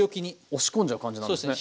押し込んじゃう感じなんですね。